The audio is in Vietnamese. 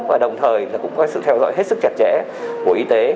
và đồng thời cũng có sự theo dõi hết sức chặt chẽ của y tế